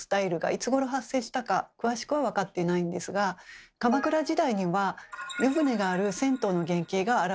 いつごろ発生したか詳しくは分かっていないんですが鎌倉時代には湯船がある銭湯の原型が現れたと考えられています。